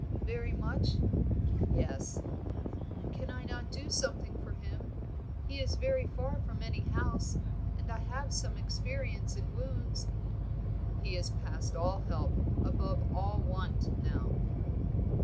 "Very much?" "Yes." "Can I not do something for him? He is very far from any house, and I have some experience in wounds." "He is past all help, above all want now."